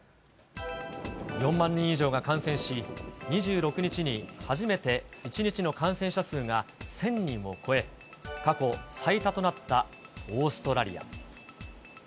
４万人以上が感染し、２６日に初めて１日の感染者数が１０００人を超え、過去最多となったオーストラリア。